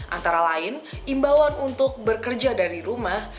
antara lain imbauan untuk bekerja dari rumah